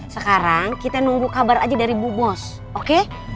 sekarang kita nunggu kabar aja dari bu bos oke